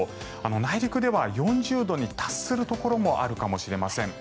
内陸では４０度に達するところもあるかもしれません。